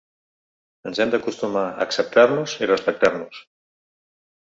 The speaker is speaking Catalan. Ens hem d’acostumar a acceptar-nos i respectar-nos.